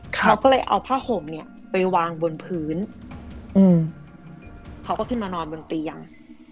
เขาก็เลยเอาผ้าห่มเนี่ยไปวางบนพื้นอืมเขาก็ขึ้นมานอนบนเตียง